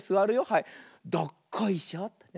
はいどっこいしょって。